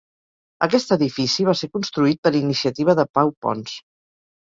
Aquest edifici va ser construït per iniciativa de Pau Pons.